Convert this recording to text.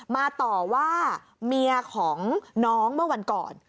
มาต่อว่าเมียของน้องเมื่อวันก่อน